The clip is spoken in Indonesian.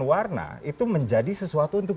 warna itu menjadi sesuatu untuk